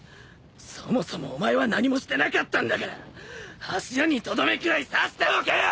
そもそもお前は何もしてなかったんだから柱にとどめくらい刺しておけよ！